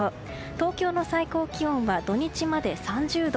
東京の最高気温は土日まで３０度。